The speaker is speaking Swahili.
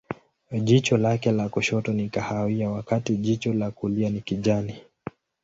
Jicho lake la kushoto ni kahawia, wakati jicho la kulia ni kijani.